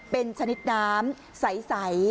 เป็นชนิดน้ำใส